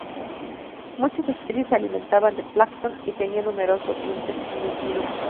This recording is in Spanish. Muchas especies se alimentaban de plancton, y tenían numeroso dientes diminutos.